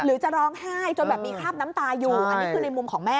หรือจะร้องไห้จนแบบมีคราบน้ำตาอยู่อันนี้คือในมุมของแม่